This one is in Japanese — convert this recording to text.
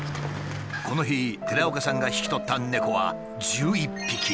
この日寺岡さんが引き取った猫は１１匹。